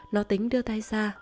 nó tính đưa tay ra